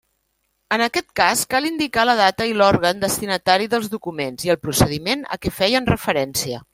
En aquest cas, cal indicar la data i l'òrgan destinatari dels documents i el procediment a què feien referència.